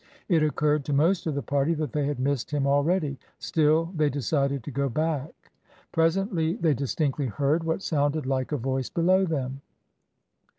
It occurred to most of the party that they had missed him already. Still, they decided to go back. Presently they distinctly heard what sounded like a voice below them.